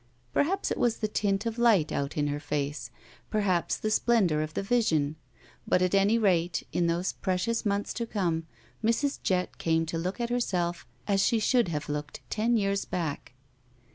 Perhaps it was the tint of light out in her face, perhaps the splendor of the vision ; but at any rate, in those precious months to come, Mrs. Jett came to look herself as she should have looked ten years back.